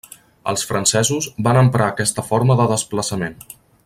Els francesos van emprar aquesta forma de desplaçament.